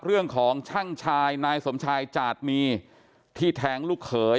เรื่องของช่างชายนายสมชายจาดมีที่แทงลูกเขย